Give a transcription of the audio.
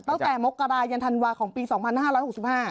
ตั้งแต่มกรายเยือนธันวาคมของปีสองพันห้าร้อยหกสิบห้า